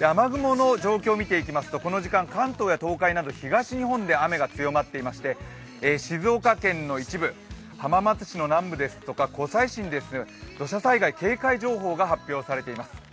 雨雲の状況を見ていきますと、この時間、関東や東海など東日本で雨が強まっていまして静岡県の一部、浜松市の南部ですとか湖西市に土砂災害警戒情報が発表されています。